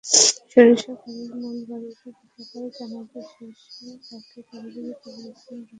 সরিষাবাড়ীর মূলবাড়িতে গতকাল জানাজা শেষে তাঁকে পারিবারিক কবরস্থানে দাফন করা হয়েছে।